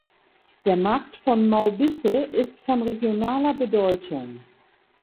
Der Markt von Maubisse ist von regionaler Bedeutung.